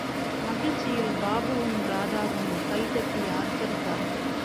மகிழ்ச்சியில், பாபுவும், ராதாவும் கை தட்டி ஆர்பரித்தார்கள்.